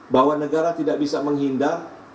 bahwa negara tidak bisa menghindar